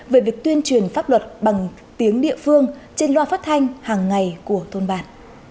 về việc tuyên truyền pháp luật bằng tiếng địa phương trên loa phát thanh hàng ngày của thôn bản